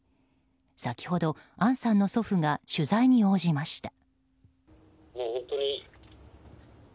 先ほど、杏さんの祖父が取材に応じました。